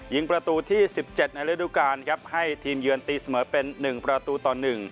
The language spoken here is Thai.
ยิงประตูที่๑๗ในฤดูกาลครับให้ทีมเยือนตีเสมอเป็น๑ประตูต่อ๑